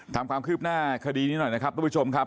ทำความคืบหน้าคดีนี้หน่อยนะครับต้องไปชมครับ